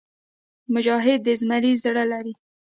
مجاهد د زمري زړه لري.